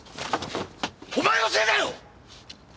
お前のせいだよ！！